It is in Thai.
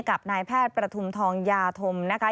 กับนายแพทย์ประทุมทองยาธมนะคะ